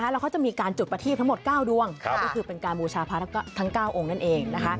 แล้วเขาจะมีการจุดประทีบทั้งหมด๙ดวงก็คือเป็นการบูชาพระทั้ง๙องค์นั่นเอง